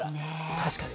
確かに。